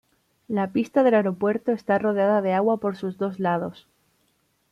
La pista del aeropuerto está rodeada de agua por sus dos lados.